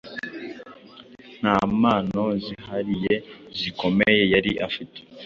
Nta mpano zihariye zikomeye yari afite